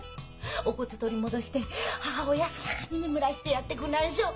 お骨取り戻して母を安らかに眠らしてやってくなんしょ。